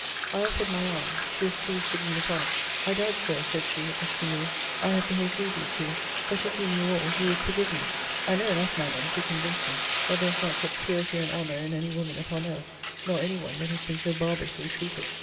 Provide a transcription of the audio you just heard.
I offered my arm: she was pleased to lean upon it. I doubt, Sir, said she, as she moved, I have behaved rudely to you: but, if you knew all, you would forgive me. I know enough, Madam, to convince me, that there is not such purity and honour in any woman upon earth; nor any one that has been so barbarously treated.